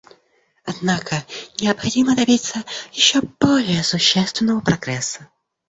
Однако необходимо добиться еще более существенного прогресса.